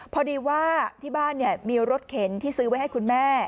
พอดีว่าที่บ้านมีรถเข็นที่ซื้อไว้ให้คุณแม่